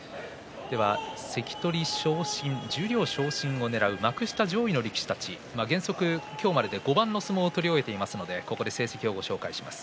関取昇進、十両昇進をねらう幕下上位の力士たち原則、今日までで５番の相撲を取り終えていますのでその成績をご紹介します。